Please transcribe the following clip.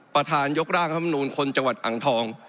ประธานยกร่างธรรมนูลคนจังหวัดอ่างทอง